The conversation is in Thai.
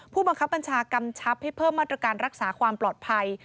ผู้บังคับบัญชากำชับให้เพิ่มมาตรการรักษาความปลอดภัย